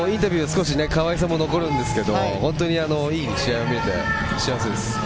少し、かわいさも残るんですけど、本当にいい試合を見れて幸せです。